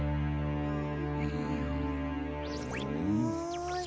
うん。